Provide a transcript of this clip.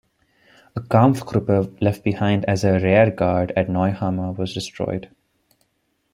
A "kampfgruppe" left behind as a rearguard at Neuhammer was destroyed.